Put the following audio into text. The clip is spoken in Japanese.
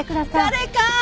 誰か！